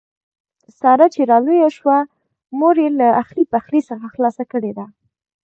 ساره چې را لویه شوه مور یې له اخلي پخلي څخه خلاصه کړې ده.